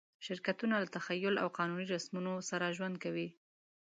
شرکتونه له تخیل او قانوني رسمونو سره ژوند کوي.